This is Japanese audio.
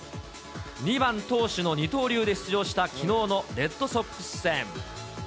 ２番投手の二刀流で出場したきのうのレッドソックス戦。